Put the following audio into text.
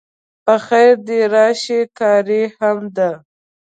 په خیر د راشی قاری هم ده